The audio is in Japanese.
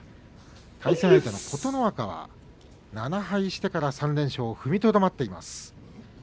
対戦相手の琴ノ若は７敗してから３連勝踏みとどまっています。